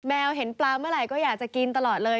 เห็นปลาเมื่อไหร่ก็อยากจะกินตลอดเลย